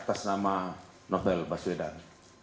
atas nama nobel baswedan